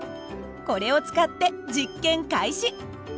これを使って実験開始。